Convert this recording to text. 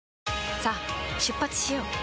さあ出発しよう。